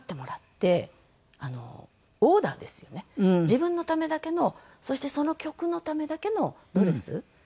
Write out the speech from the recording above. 自分のためだけのそしてその曲のためだけのドレス。